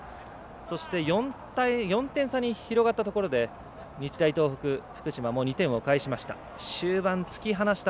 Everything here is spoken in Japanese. そして４点差に広がったところで日大東北、福島も２点を返しました。